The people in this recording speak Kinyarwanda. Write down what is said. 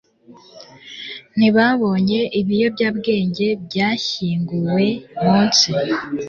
ntibabonye ibiyobyabwenge byashyinguwe munsi